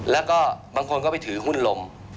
แล้วก็บางคนก็ไปถือหุ้นลม